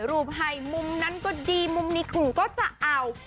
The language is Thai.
มุมไห่มุมนั้นก็ดีมุมนิดหนูก็จะเอา